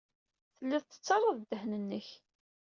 Tellid tettarrad ddehn-nnek.